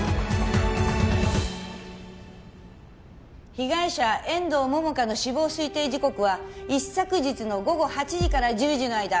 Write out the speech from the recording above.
被害者遠藤桃花の死亡推定時刻は一昨日の午後８時から１０時の間。